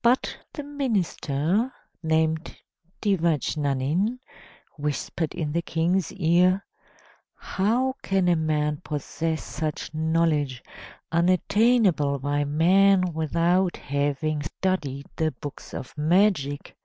But the minister, named Devajnanin, whispered in the King's ear: "How can a man possess such knowledge unattainable by men without having studied the books of magic?